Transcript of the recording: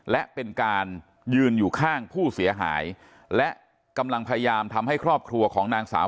และเป็นการยืนอยู่ข้างผู้เสียหายและกำลังพยายามทำให้ครอบครัวของนางสาว